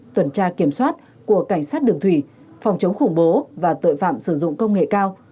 tuần tra kiểm soát của cảnh sát đường thủy phòng chống khủng bố và tội phạm sử dụng công nghệ cao